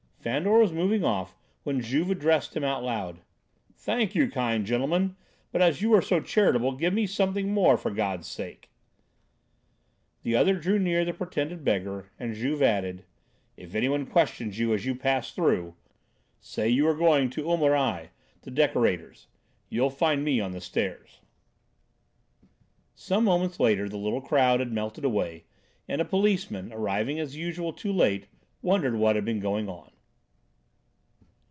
Fandor was moving off when Juve addressed him out loud: "Thank you, kind gentlemen! But as you are so charitable, give me something more for God's sake." The other drew near the pretended beggar and Juve added: "If anyone questions you as you pass through, say you are going to Omareille, the decorator's; you'll find me on the stairs." Some moments later the little crowd had melted away and a policeman, arriving as usual too late, wondered what had been going on.